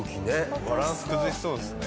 バランス崩しそうですね。